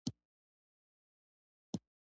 په ګروپي شکل حاجیان لېږدوي.